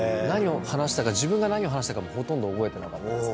自分が何を話したかもほとんど覚えてなかった。